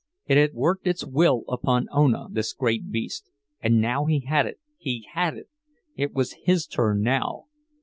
It had worked its will upon Ona, this great beast—and now he had it, he had it! It was his turn now!